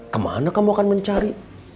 kemana kamu akan mencari